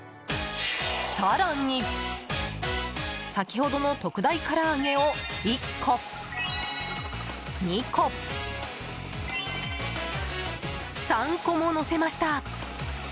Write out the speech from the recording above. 更に、先ほどの特大から揚げを１個、２個、３個ものせました。